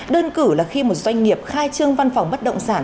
đơn cử là khi một doanh nghiệp khai trương văn phòng bất động sản